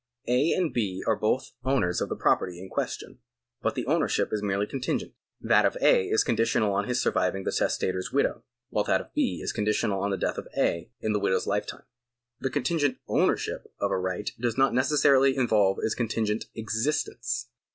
A. and B. are both owners of the property in question, but their ownership is merely contingent. That of A. is conditional on his surviving the testator's widow ; while that of B. is conditional on the death of A. in the widow's lifetime. The contingent oivnersliip of a right does not necessarily involve its contingent existence.